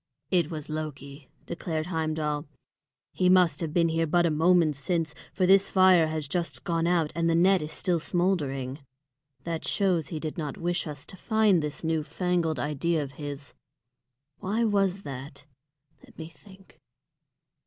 "It was Loki," declared Heimdal. "He must have been here but a moment since, for this fire has just gone out, and the net is still smouldering. That shows he did not wish us to find this new fangled idea of his. Why was that? Let me think.